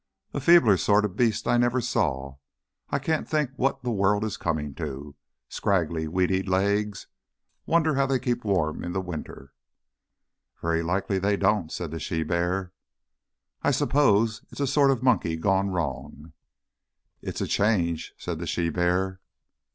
"A feebler sort of beast I never saw. I can't think what the world is coming to. Scraggy, weedy legs.... Wonder how they keep warm in winter?" "Very likely they don't," said the she bear. "I suppose it's a sort of monkey gone wrong." "It's a change," said the she bear.